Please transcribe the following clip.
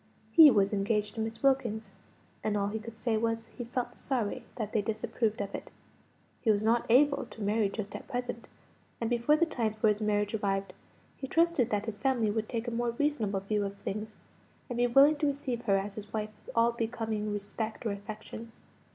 He was engaged to Miss Wilkins; and all he could say was, he felt sorry that they disapproved of it. He was not able to marry just at present, and before the time for his marriage arrived, he trusted that his family would take a more reasonable view of things, and be willing to receive her as his wife with all becoming respect or affection.